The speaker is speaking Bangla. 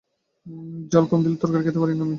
ঝাল কম দিলেও তরকারি খেতে পারি না মতি।